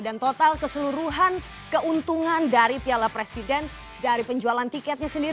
dan total keseluruhan keuntungan dari piala presiden dari penjualan tiketnya sendiri